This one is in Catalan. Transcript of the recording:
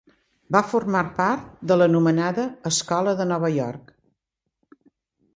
Va formar part de l'anomenada Escola de Nova York.